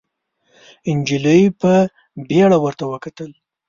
نجلۍ په بيړه ورته وکتل.